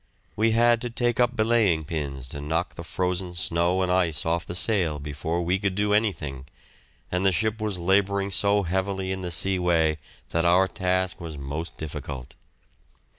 We had to take up belaying pins to knock the frozen snow and ice off the sail before we could do anything, and the ship was labouring so heavily in the seaway that our task was most difficult.